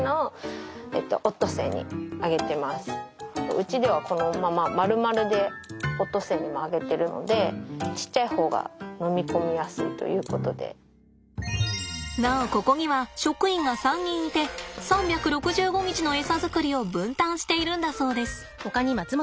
うちではこのまま丸々でオットセイにもあげてるのでなおここには職員が３人いて３６５日のエサ作りを分担しているんだそうです。